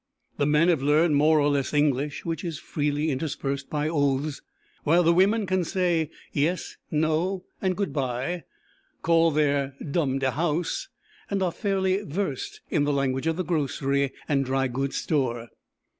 The men have learned more or less English, which is freely interspersed by oaths, while the women can say: "Yes, no, and good bye" call their "Dum, de house" and are fairly versed in the language of the grocery and dry goods store.